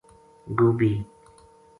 گوبھی